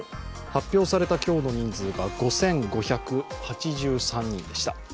発表された今日の人数が５５８３人でした。